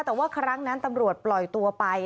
แต่ว่าครั้งนั้นตำรวจปล่อยตัวไป